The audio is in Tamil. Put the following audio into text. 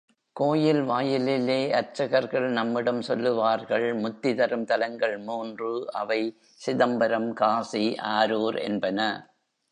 கோயில் வாயிலிலே அர்ச்சகர்கள் நம்மிடம் சொல்லுவார்கள் முத்தி தரும் தலங்கள் மூன்று, அவை சிதம்பரம், காசி, ஆரூர் என்பன.